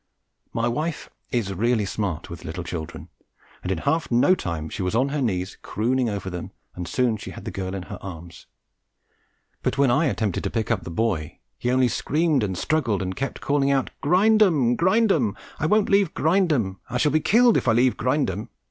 My wife is really smart with little children, and in half no time she was on her knees crooning over them, and soon she had the girl in her arms; but when I attempted to pick up the boy he only screamed and struggled, and kept calling out, "Grindum, Grindum! I won't leave Grindum. I shall be killed if I leave Grindum.